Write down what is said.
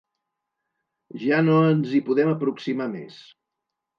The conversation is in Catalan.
Ja no ens hi podem aproximar més.